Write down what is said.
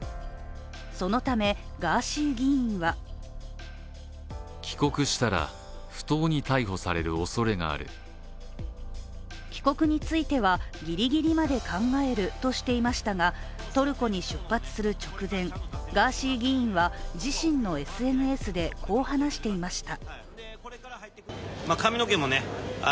そのためガーシー議員は帰国については、ギリギリまで考えるとしていましたがトルコに出発する直前、ガーシー議員は自身のＳＮＳで、こう話していました。